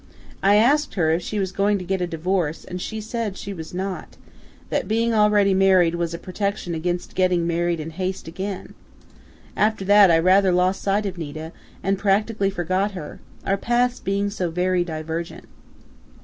I asked her if she was going to get a divorce and she said she was not that being already married was a protection against getting married in haste again. After that, I rather lost sight of Nita, and practically forgot her, our paths being so very divergent."